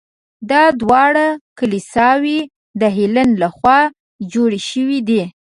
دا دواړه کلیساوې د هیلن له خوا جوړې شوي دي.